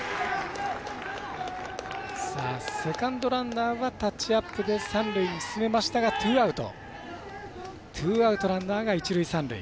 セカンドランナーはタッチアップで三塁に進めましたが、ツーアウト。